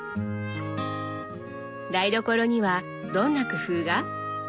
台所にはどんな工夫が？